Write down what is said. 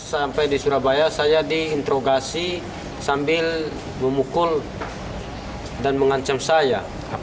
sampai di surabaya saya diinterogasi sambil memukul dan mengancam saya